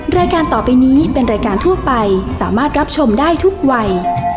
รายการต่อไปนี้เป็นรายการทั่วไปสามารถรับชมได้ทุกวัย